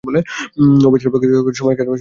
ও বেচারার পক্ষে সময় কাটাইবার কিছুই নাই।